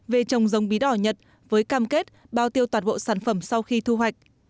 về trồng giống bí đỏ nhật với cam kết bao tiêu toàn bộ sản phẩm sau khi thu hoạch